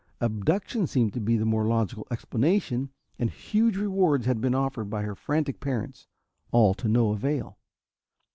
Abduction seemed to be the more logical explanation, and huge rewards had been offered by her frantic parents all to no avail.